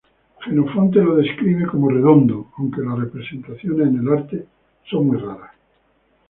Jenofonte lo describe como "redondo", aunque las representaciones en el arte son muy raras.